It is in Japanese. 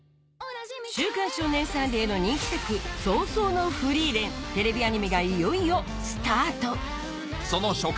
『週刊少年サンデー』の人気作『葬送のフリーレン』テレビアニメがいよいよスタートその初回